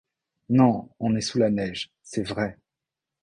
Non : on est sous la neige, c’est vrai.